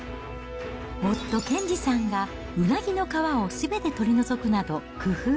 夫、賢治さんがうなぎの皮をすべて取り除くなど工夫。